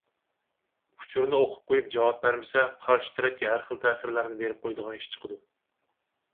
ئۇچۇرنى ئوقۇپ قويۇپ جاۋاب بەرمىسە، قارشى تەرەپكە ھەر خىل تەسىرلەرنى بېرىپ قويىدىغان ئىش چىقىدۇ.